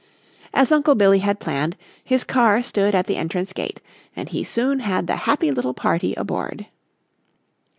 As Uncle Billy had planned, his car stood at the entrance gate, and he soon had the happy little party aboard.